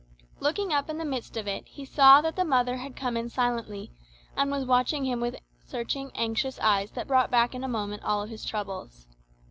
Looking up in the midst of it, he saw that the mother had come in silently, and was watching him with searching anxious eyes that brought back in a moment all his troubles.